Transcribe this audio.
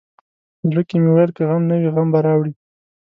زړه کې مې ویل که غم نه وي غم به راوړي.